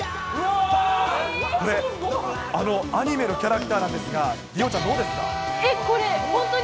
これ、あのアニメのキャラクターなんですが、梨央ちゃん、どうでこれ、本当に？